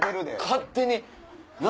勝手に。